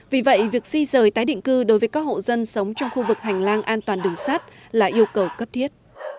vì vậy việc di rời tái định cư đối với các hộ dân sống trong khu vực hành lang an toàn đường sắt là yêu cầu cấp thiết